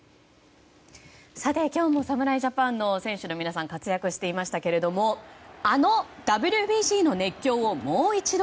今日も侍ジャパンの選手の皆さんが活躍していましたけどあのＷＢＣの熱狂をもう一度！